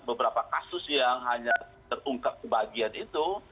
beberapa kasus yang hanya terungkap kebahagiaan itu